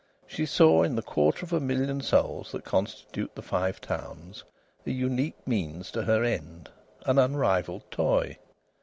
She saw in the quarter of a million souls that constitute the Five Towns a unique means to her end, an unrivalled toy.